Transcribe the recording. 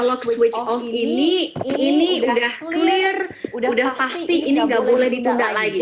analog switch off ini ini sudah clear sudah pasti ini tidak boleh ditunda lagi